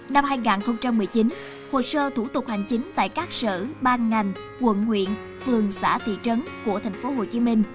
năm hai nghìn một mươi chín hồ sơ thủ tục hành chính tại các sở ban ngành quận huyện phường xã thị trấn của tp hcm